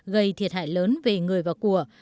gây thiệt hại lớn về người và của